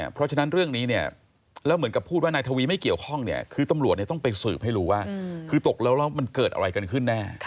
เพราะฉะนั้นเรื่องนี้เนี่ยแล้วเหมือนกับพูดว่านายทวีไม่เกี่ยวข้องเนี่ยคือตำรวจต้องไปสืบให้รู้ว่าคือตกแล้วมันเกิดอะไรกันขึ้นแน่